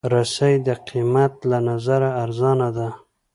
رسۍ د قېمت له نظره ارزانه ده.